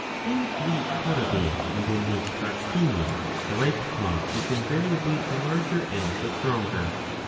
In the Carabi and in the Carcini the right claw is invariably the larger and the stronger.''